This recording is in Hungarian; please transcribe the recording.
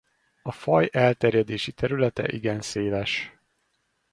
A faj elterjedési területe igen széles.